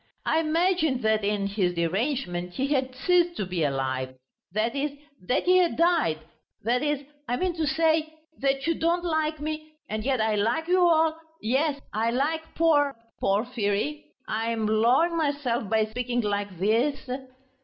I imagined that in his derangement he had ceased to be alive ... that is, that he had died ... that is, I mean to say ... that you don't like me ... and yet I like you all ... Yes, I like Por ... Porfiry ... I am lowering myself by speaking like this...."